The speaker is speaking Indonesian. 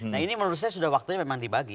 nah ini menurut saya sudah waktunya memang dibagi